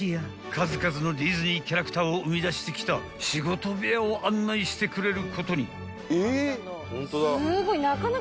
［数々のディズニーキャラクターを生み出してきた仕事部屋を案内してくれることに］